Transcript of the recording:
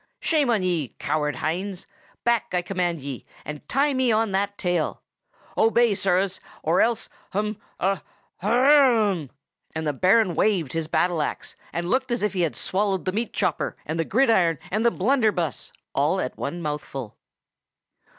Shame on ye, coward hinds! Back, I command ye, and tie me on that tail. Obey, sirrahs, or else—hum—ha—hrrrrugh!!!" and the Baron waved his battle axe, and looked as if he had swallowed the meat chopper and the gridiron and the blunderbuss, all at one mouthful.